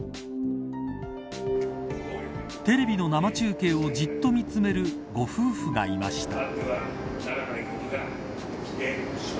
テレビの生中継をじっと見つめるご夫婦がいました。